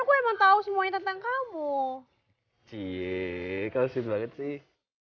gue mau tahu semuanya tentang kamu cek kasih banget sih